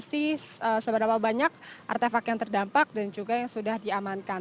dan juga untuk melakukan investigasi seberapa banyak artefak yang terdampak dan juga yang sudah diamankan